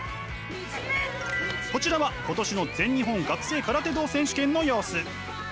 こちらは今年の全日本学生空手道選手権の様子。